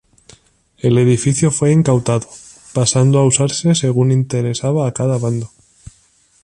El edificio fue incautado pasando a usarse según interesaba a cada bando.